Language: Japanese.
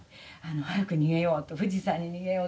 早く逃げよう富士山に逃げよう」とか。